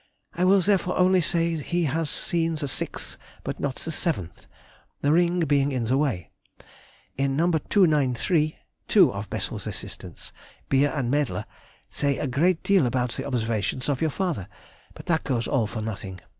I will therefore only say he has seen the 6th but not the 7th, the ring being in the way. In No. 293, two of Bessel's assistants, Beer and Mädler, say a great deal about the observations of your father, but that goes all for nothing.